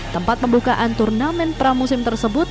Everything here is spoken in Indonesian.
tempat pembukaan turnamen pramusim tersebut